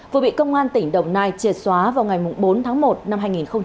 vừa bị công an tỉnh đồng nai triệt xóa vào ngày bốn tháng một năm hai nghìn hai mươi